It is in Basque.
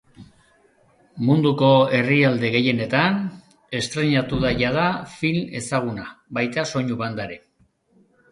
Munduko herrialde gehienetan estreinatu da jada film ezaguna, baita soinu-banda ere.